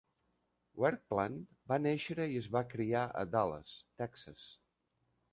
Verplank va néixer i es va criar a Dallas, Texas.